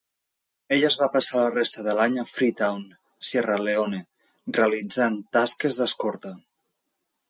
Ella es va passar la resta de l'any a Freetown, Sierra Leone, realitzant tasques d'escorta.